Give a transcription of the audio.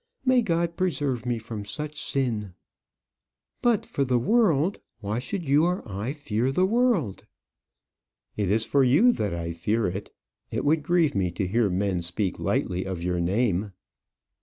May God preserve me from such sin! But, for the world why should you or I fear the world?" "It is for you that I fear it. It would grieve me to hear men speak lightly of your name."